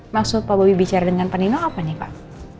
maksud pak bubi bicara dengan pak nino apa pak